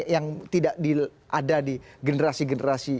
yang tidak ada di generasi generasi